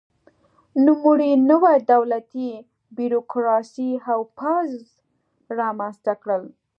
نوموړي نوې دولتي بیروکراسي او پوځ رامنځته کړل.